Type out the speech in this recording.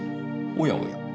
おやおや。